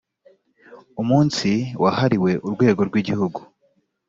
umunsi wahariwe urwego rw’igihugu